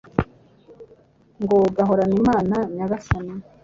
ngo "Gahorane Imana, Nyagasani!"